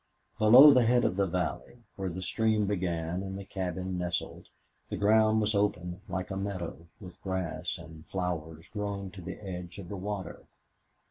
Below the head of the valley, where the stream began and the cabin nestled, the ground was open, like a meadow, with grass and flowers growing to the edge of the water.